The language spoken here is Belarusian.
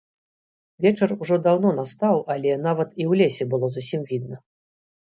Вечар ужо даўно настаў, але нават і ў лесе было зусім відна.